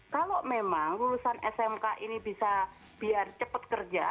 kalau memang lulusan smk ini bisa biar cepat kerja